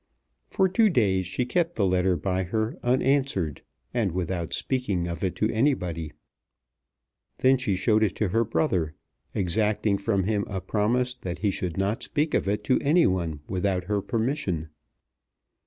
For two days she kept the letter by her unanswered, and without speaking of it to anybody. Then she showed it to her brother, exacting from him a promise that he should not speak of it to any one without her permission.